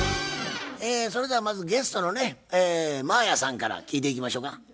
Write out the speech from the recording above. それではまずゲストのね真彩さんから聞いていきましょか。